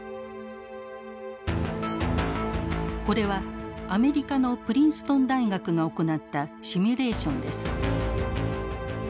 これはアメリカのプリンストン大学が行ったシミュレーションです。